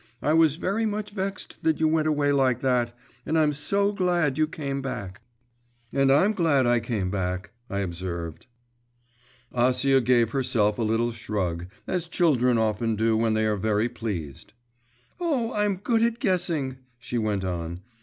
I was very much vexed that you went away like that, and I'm so glad you came back.' 'And I'm glad I came back,' I observed. Acia gave herself a little shrug, as children often do when they are very pleased. 'Oh, I'm good at guessing!' she went on.